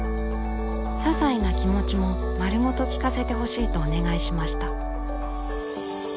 ささいな気持ちも丸ごと聴かせてほしいとお願いしました。